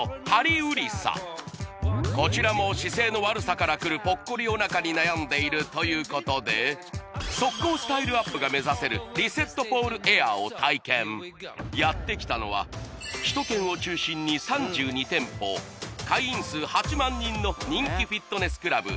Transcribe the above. こちらも姿勢の悪さからくるポッコリおなかに悩んでいるということで即効スタイルアップが目指せるリセットポールエアーを体験やってきたのは首都圏を中心に３２店舗会員数８万人の人気フィットネスクラブ